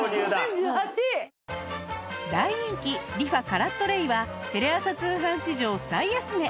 大人気リファカラットレイはテレ朝通販史上最安値